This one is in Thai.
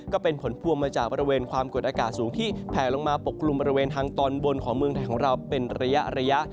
ก็เป็นผลพวงมาจากบริเวณความกดอากาศสูงที่แผลลงมาปกกลุ่มบริเวณทางตอนบนของเมืองไทยของเราเป็นระยะ